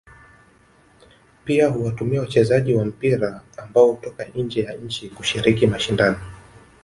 Pia huwatumia wachezaji wa mpira ambao hutoka nje ya nchi kushiriki mashindano